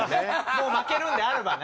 もう負けるんであればね。